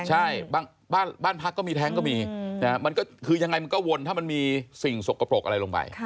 ใช่บ้านพักก็มีแท้งก็มีมันก็คือยังไงมันก็วนถ้ามันมีสิ่งสกปรกอะไรลงไป